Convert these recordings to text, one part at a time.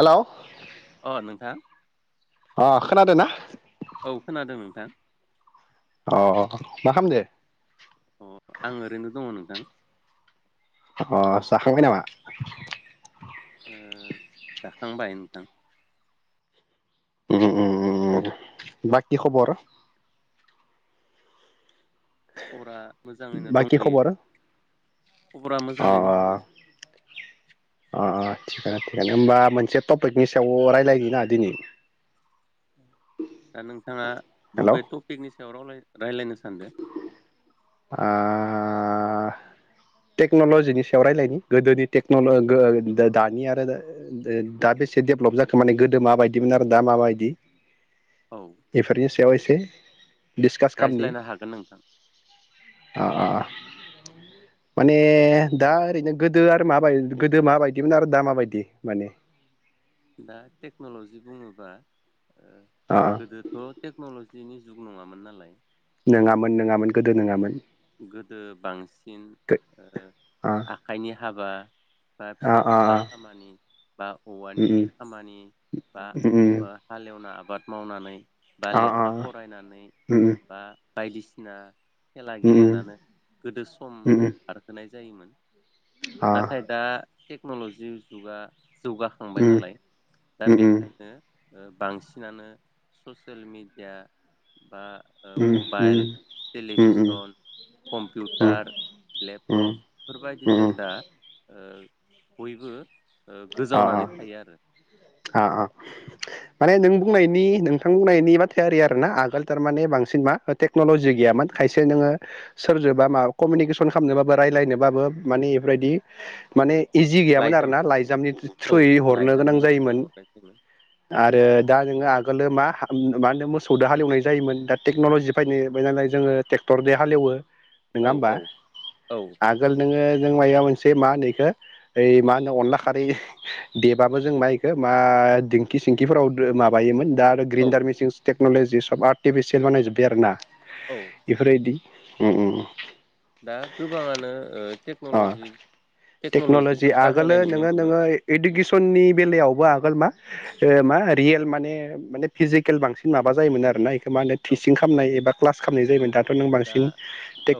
हेल' अ नोंथां अ खोनादोंना औ खोनादों नोंथां अ मा खालामदों अ आं ओरैनो दङ नोंथां अ जाखांबाय नामा? ओ दा थांबाय नोंथां बाखि खबर खबरा मोजाङैनो बाखि दंफैयो खबर खबरा मोजाङै दंफैयो अ अ थिगानो थिगानो होमबा मोनसे टपिकनि सायाव रायज्लायनि ना दिनै दा नोंथाङा हेलौ बबे टपिकनि सायाव रायलायनो? रायलायनो सानदो आ टेक्न'लजिनि सायाव रायलायनि, गोदोनि टेक्नल दानि आरो दा बेसे डेभेलप जाखो माने गोदो माबायदिमोन आरो दा माबायदि औ एफोरनि सायाव [unintelligible] डिसकास खालामनि रायज्लायनो हागोन नोंथां आ आ आ माने दा ओरैनो गोदो आरो माबाय गोदो माबायदिमोन आरो दा माबायदि माने दा टेक्न'लजि बुङोबा अ गोदोथ' टेक्न'लजि दिनि जुग नङामोन नालाय नङामोन नङा गोदो बांसिन गो अ आखाइनि हाबा बा अ फिसा अ फिनला अ खामानि बा औवानि उम खामानि बा उम उम हालेवना आबाद मावनानै बा अ लेखा अ फरायनानै उम बा बायदिसिना खेला उम उम गेलेनानै गोदो सम उम बारहोनाय जायोमोन अ नाथाय दा टेक्न'लजि जुगा जौगाखांबाय उम नालाय दा उम बेखायनो बांसिनानो ससियेल मेडिया बा ओ उम मबाइल उम उम टेलिभिसन उम उम कम्पिउटार लेपटप अ बेफोरबायदिजों ओ बयबो ओ गोजावनानै थायो आरो। आ आ माने नों बुंनायनि नोंथां बुंनायनि बाथायारि आरोना आगोल थारमाने बांसिन मा टेक्न'लजि गैयामोन खायसे नोङो सोरजोबा माबा कमिउनिकेसन खालामनोबाबो रायलायनोबाबो माने इफोरबायदि माने इजि गैया मोन लाइजाम आरोना लाइ जामनि औ थ्रुयै हरनो गोनां लाइजामनि जायोन थ्रुयै हरनाय जायोमोन आरो दा नोङो आगोल मा मा होनो मोसौजों हालेवनाजायोमोन दा टेक्न'लजि फैनायनालाय जोङो ट्रेक्टरजों हालेवो। नङा औ होमबा औ औ आगोल नोङो नों मायबा मोनसे मा होनो इखो यै मा होनो अनला खारै देबाबो जों माइखो मा दिंखि सिंखिफोराव माबायोमोन। दा आरो औ ग्रेनदार मेसिन टेक्नलजि सब आर्टिफिसियेल बानाय जोबबाय आरोना। औ बेफोरबायदि उम उम। दा गोबाङानो ओ अ टेक्न'ल'जि टेक्न'लजि टेक्न'ल'जिखौ आगोलो बाहायनाय नुनो नोङो मोनो नोङो इडुकेसननि बेलायावबो आगोल मा मा रियेल मा ने फिजिकेल बांसिन माबा जायोमोन आरो ना मा होनो औ टिचं खालामनाय एबा क्लास खालामनाय जायोमोन औ दाथ' नों दा बांसिन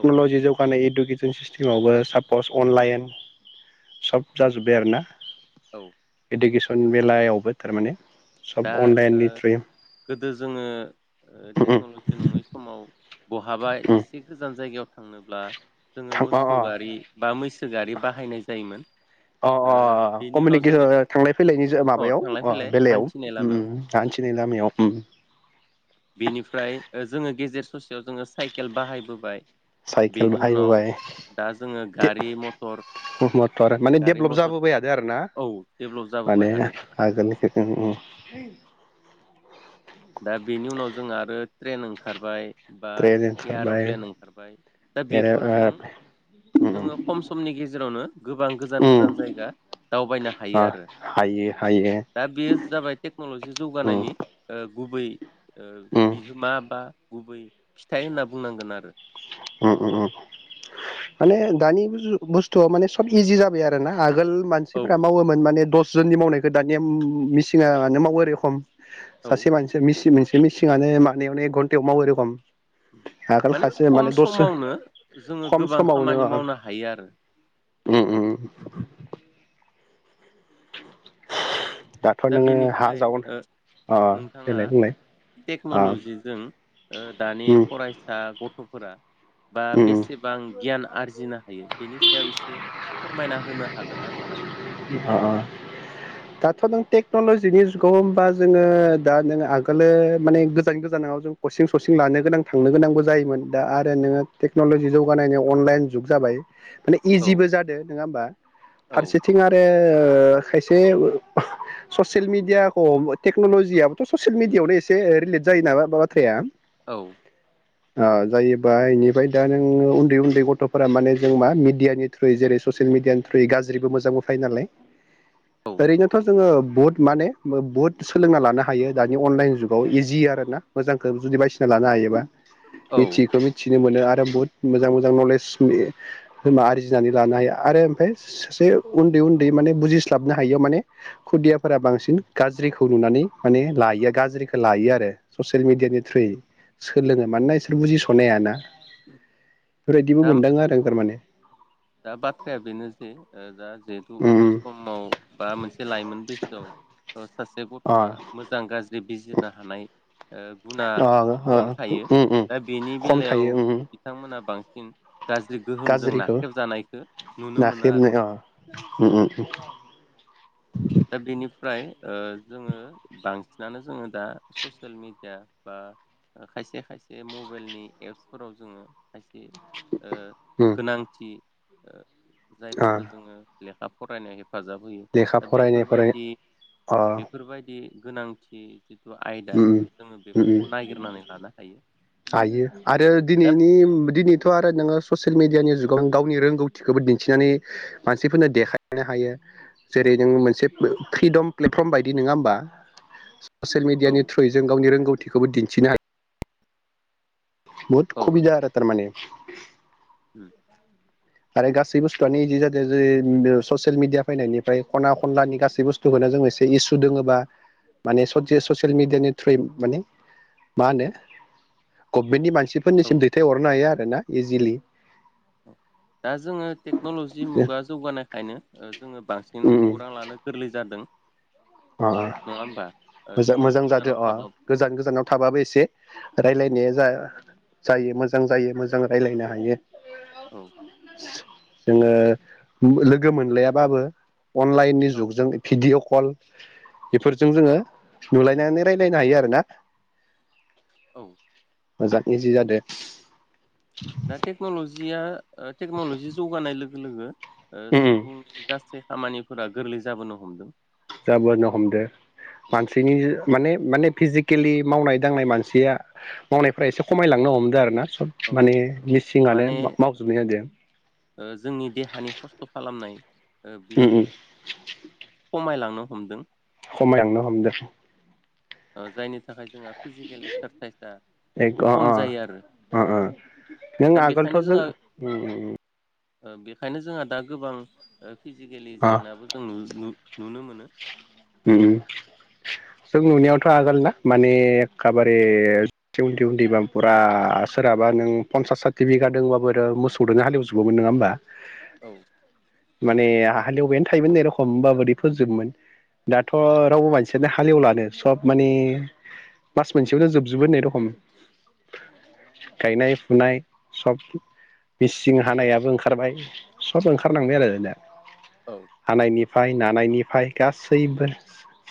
औ जौगानाय इडु टिसिं सिस्टमावबो पस अनलाइन सब जाजोब्बाय आरोना। औ। इडुकेसन बेलायावबो थारमाने। दा सब ओ अनलाइननि थ्रुयै गोदो जोङो ओ टेक्न'लजि नङै समाव बहाबा एसे गोजान जायगायाव थांनोब्ला जोङो थां अ मोसौ अ गारि बा मैसो गारि बाहायनाय जायोमोन अ ओ अ बेनि उनाव कमिउनिकेसन जोङो अ थांलाय फैलाय। दायाव हान्थिनाय उम लामायाव उम [unintelligible] नाय लामायाव ओम। बेनिफ्राय ओ जोङो गेजेर ससेयाव जोङो साइकेल बाहायबोबाय। साइकेल बेनि उनाव बाहायबोबाय दा जोङो ते गारि मथर मटर माने गारि डेभलप मथर जाबोबायद आरोना औ डेभलप जाबोबाय माने हादों आगोलनि ओं ओं। दा बेनि उनाव जों आरो ट्रेन ओंखारबाय। बा ट्रेन ओंखारबाय एयार'प्लेन ओंखारबाय दा आरो बेफोरजों ओ जोङो खम समनि गेजेरावनो गोबां गोजान उम गोजान जायगा दावबायनो हायो ओ आरो हायो हायो दा बेयो जाबाय टेक्न'लजि उम जौगानायनि गुबै ओ उम बिहोमा बा गुबै फिथाइ होनना बुंनांगोन आरो। उम उम माने दानि बुजु बुस्थुवा माने सब इजि जाबाय आरो ना आगोल औ मानसिफोरा मावोमोन माने दस जोननि मावनायखौ दानि ओमममम मेसिनानो मावो आरो एरै रखम। औ सासे मानसिया मिसि मोनसे बे मेसिङानो मानायावनो एक घन्टायाव मावो एरै रखम। आगोल खासे खम माने दसे समावनो जोङो खम गोबां समावनो खामानि मावनो हायो आरो दाथ' दा नोङो हा बेनिफ्राय जावनो ओ अ नोंथाङा देलाय बुंलाय अ टेक्न'ल'जिजों ओ दानि उम फरायसा गथ' फोरा बा उम बेसेबां गियाना आरजिनो हायो बेनि सायाव एसे फोरमायना होनो हागोन ना नोंथां? आ आ दाथ' नों टेक्न'लजिनि जुगाव होमबा जोङो दा नों नोङो आगोलो माने गोजान गोजानाव जों कचिं ससिं लानो गोनां थांनो गोनांबो जायोमोन दा आरो नोङो टेक्न'लजि जौगानायनि अनलाइन जुग जाबाय। माने औ इजिबो जादों नङा होमबा? औ फारसे थिं ओ खायसे अ ससियेल मिडियाखौ हम टेक्न'ल'जियाबोथ' ससियेल मिेडियाआवनो एसे रिलेट जायो नामा मा बाथ्राया औ। अ जायोबा इनिफ्राय दा नों उन्दै उन्दै गथ'फोरा माने जों मा मिडियानि थ्रुयै जेरै ससियेल मिडियानि थ्रुयै गाज्रिबो मो जांबो थायो नालाय। औ ओरैनोथ' जोङो बुहुत माने बुहुत सोलोंना लानो हायो दानि अनलाइन जुगाव इजि आरो ना मोजांखौ जुदि बायसिना लानो हायोबा। औ मिथियैखौ मिथिनो मोनो आर बहुत मोजां मोजां नलेज आरजिनानै लानो हायो आरो ओमफ्राय सा सासे उन्दै उन्दै माने बुजिस्लाबनो हायियाव माने खुदियाफोरा बांसिन गाज्रिखौ नुनानै माने लायो गाज्रिखौ गाज्रिखौ लायो आरो ससियेल औ मिडियानि थ्रुयै। सोलोङो मानोना इसोर बुजिस'नो हायाना। बेफोरबायदिबो दा मोनदाङो आरो आं तारमाने। दा बाथ्राया बेनो जे ओ दा जिहेथु उम उन्दै उम समाव बा मोनसे लाइमोन बैसोआव ओ सा बे अ गथ'आ मोजां गाज्रि बे बिजोरनो हानाय ओ गुना अ खम थायो उम उम दा बेनि खम बेलायाव थायो उम बिथांमोना बां [unintelligible] गाज्रि गोहोमजों ना गाज्रिखौ जानायखौ नुनो मोनो नाख्रेबनो अ उम आरो उम दा बेनिफ्राय ओ जोङो बांसिनानो जोङो दा ससियेल मेडिया बा खायसे खायसे मबाइलनि एपसफोराव जोङो खायसे ओ उम गोनांथि ओ अ जायफोरखो जोङो लेखा फरायनायनि हेफाजाब होयो लेखा दा फरायनाय फराय बेफोरबायदि अ बेफोरबायदि गोनांथि जिथु आयदा जोङो ओम-ओम-ओम बेफोरखौ नागिरनानै लानो हायो हायो आरो दा दिनैनि दिनैथ आरो नोङो ससियेल मिडियानि जुगाव गावनि रोंगौथिखौबो दिन्थिनानै मानसिफोरनो देखायनो हायो जेरै नों मोनसे फ्रिदम प्लेटफर्म बायदि नोङा होमबा औ थ्रयै जों गावनि रोंगौथि थिखौबो दिन्थिनो हायो बुहुत औ खुबिदा आरो थारमाने ओम आरो गासै बुस्थुआनो इदि जादो जे ससियेल मिडिया फैनायनिफ्राय खना खनलानि गासै बुस्थुखौनो जों एसे इसु दोङोबा माने ससे ससियेल मिडियानि थ्रुयै माने मा होनो गभमेन्टनि मानसि औ फोरनिसिम दैथाय हरनो हायो आरो ना इजिलि [inaudible] दा जोङो टेक्नलजि मुगा जौगानायखायनो ओ जोङो बांसिन उम उम खौरां लानो गोरलै जादों अ नङा होमबा ओ मोजां जोङो मोजां जादो गोजानाव अ थाबाबो गोजान गोजानाव थाबाबो एसे रायलायनाया जा जायो मोजां जायो मोजां रायलायनो हायो औ जोङो ओम लोगो मोनलायाबाबो अनलाइन नि औ जुग जों भिडिअ कल बेफोरजों जोङो उम नुलायनानै रायलायनो हायो आरो ना औ मोजां इजि जादो दा टेक्नलजिया ओ टेक्नलजि जौगानाय लोगो लोगो ओ उम उम सुबुंनि गासै खामानि फोरा गोरलै जोबोनो हमदों जाबोनो हमदो औ मानसिनि माने-माने फिजि केलि मावनाय दांनाय मानसिया मावनायफोरा एसे खमायलांनो हमदो आरो ना सब औ माने मेसिङानो माने मावजोबनाय जादों ओ जोंनि देहानि खस्थ' खालामनाय ओ अम बियो अम खमायलांनो हमदों खामायलांनो हमदो औ जायनि थाखाय जोंहा फिजिकेल एक्सारसाइसआ एक अ खम अ जायो आरो अ अ नों दा बेखायनो आगोलथ' जों जोंहा उम उम ओ बेखायनो जोंहा दा गोबां ओ फिजिकेलि अ जेंनाबो जों नुय नु नुनो मोनो उम उम जों नुनायावथ' आगोल ना माने एखाबारे एसे उन्दै उन्दैबा फुरा सोरहाबा नों पन्सास साथि बिघादोंबाबो आरो मोसौदोनो हालेवजोबोमोन नङा होमबा औ माने हालौबायानो थायोमोन होननाय रखम ओमबाबोदि फो जोबमोन दाथ' रावबो मानसियानो हालेवलानो सब माने मास मोनसेयावनो जोबजोबो होननाय रखम गायनाय फुनाय सब मिसिं हानायाबो ओंखारबाय सब ओंखारनांबाय आरो दा औ हानायनि फाय नानायनि फाय गासैबो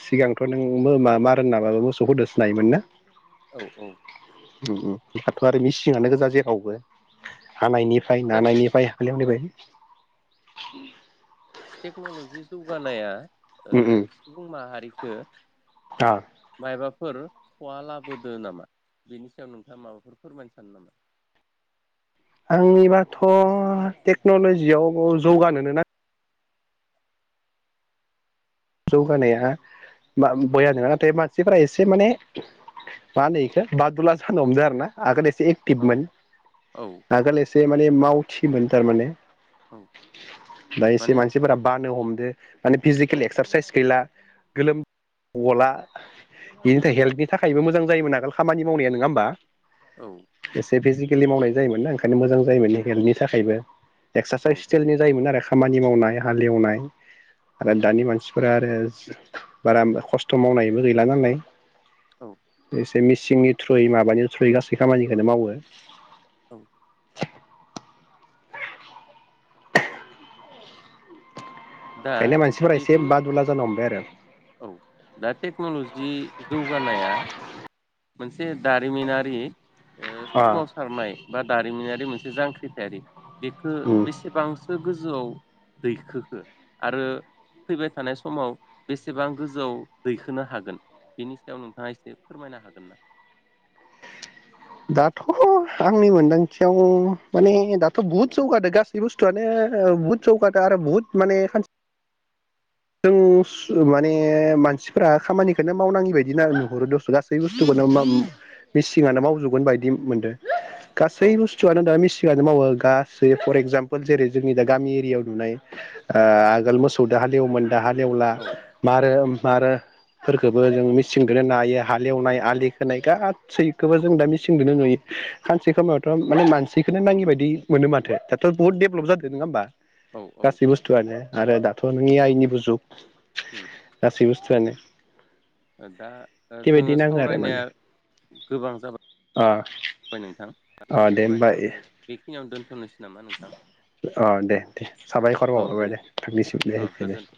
सिगांथ' नोंबो मा मा रोंनाबाबो मोसौखौ दोस्लायोमोन ना औ औ अम अम दाथ' आरो मेसिङानो गोजा जेरावबो हानायनि फ्राय दा बे नानायनिफ्राय हालेवनिफाय अम टेक्न'लजि जौगानाया ओ उम उम सुबुं माहारि ओ आ माबाफोर खहा लाबोदो नामा बेनि सायाव नोंथाङा माबाफोर फोरमायनो सानो नामा आंनिबाथ' टेक्न'ल'जियाव जौगानोनो नां जौगानाया बा बया नङा नाथाय मानसिफ्रा एसे माने मा होनो इखो बादुला जानो हमदों आरोना आगोल एसे औ एक्टिभमोन औ आगोल जे माने मावथिमोन थारमाने औ दा एसे माने मानसिफोरा बानो हमदो माने फिजिकेल एक्सारसायस गैला गोलोम गला बेनि थाखाय हेल्थनि थाखायबो मोजां जायोमोन आगोल खामानि मावनाया नङा होमबा औ एसे फिजि केलि मावनाय जायोमोन ना ओंखायनो मोजां जायोमोन हेल्थनि थाखायबो औ एक्सारसाइस स्टेलनि जायोमोन आरो। खामानि मावनाय हालौवनाय आरो दानि मानसि फोर आरो बारा खस्थ' मावनायबो गैला नालाय। औ। एसे मिसिंनि थ्रुयै माबानि थ्रुयै गासै खामानिखौनो मावो। औ। दा ओंखायनो मानसिफोरा एसे जिथु बादुला जानो हमबाय आरो औ दा टेक्न'लजि जौगानाया मोनसे दारिमिनारि ओ अ सोमावसारनाय। बा दारिमिनारि मोनसे जांख्रिथायारि बेखौ उम बेसेबांसो गोजौआव दैखोखो? आरो फैबाय थानाय समाव बेसेबां गोजौआव दैखोनो हागोन बेनि सायाव नोंथाङा एसे फोरमायनो हागोन ना? दाथ' आंनि मोनदांथियाव माने दाथ' बुहुत जौगादो गासै बुस्थुआनो बुहुत जौगादो आरो बुहुत माने खा जों माने मानसिफोरा खामानिखौनो मावनाङि बायदि नुहरो दस' गासैखौनो मिसिनानो मावजोबगोन बायदि मोनदों। औ गासै बुस्थुआनो दा मे आनो मावो गासै फर एक्जामपोल जेरै जोंनि दा गामि एरियायाव नुनाय ओ आगोल मोसौ दो हालेवोमोन। दा हालेवला औ मारो मारोफोरखौबो जों मेसिनदोनो नायो हालेवनाय आलि खोनाय गासैखौबो जों दा मेसिंजोंनो नुयो खानसे खमायावथ'थ' माने मानसिखौनो नाङि बायदि मोनो माथो। थ' बुहुत औ देभलप जादो नङा होमबा औ औ गासै बुस्थुआनो। आरो दाथ' नोंनि आइनि बुजु जुग गासै बस्थुआनो ओ दा जोङो सावरायनाया गोबां अ जाबाय नोंथां दा अ जोङो दे होमबा सावरायनायखौ बेखिनियावनो दोन [unintelligible] अ दे दे साबायखर बावहरबाय दे नोंथांनिसिम दे औ दे दे। गोजोन